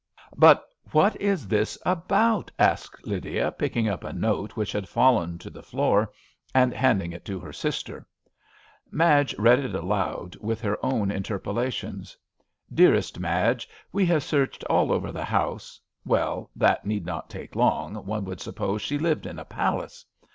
'* "But what is this about?" asked Lydia, picking up a note which had fallen to the floor, and handing it to her sister. Madge read it aloud, with her own interpolations :" Dearest Madge, — ^We have 144 A RAINY DAZ searched all over the house [Well, that need not take long: one would suppose she lived in a palace!